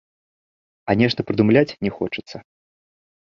А нешта прыдумляць не хочацца.